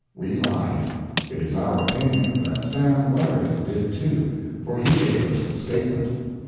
We lied. It is our opinion that Sam Wetherill did, too, for he gave us the statement.